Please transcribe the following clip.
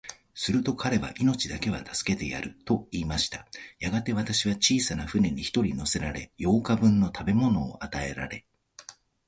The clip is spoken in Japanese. すると彼は、命だけは助けてやる、と言いました。やがて、私は小さな舟に一人乗せられ、八日分の食物を与えられ、